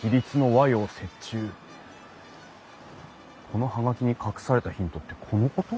この葉書に隠されたヒントってこのこと？